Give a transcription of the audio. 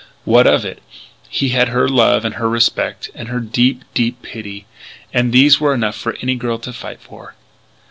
What of it? He had her love and her respect and her deep, deep pity. And these were enough for any girl to fight for.